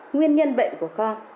nguyên nhân bệnh của con